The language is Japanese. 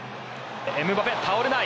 エムバペ、倒れない。